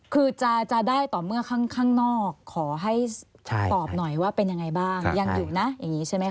คือจะได้ต่อเมื่อข้างนอกขอให้ตอบหน่อยว่าเป็นยังไงบ้างยังอยู่นะอย่างนี้ใช่ไหมค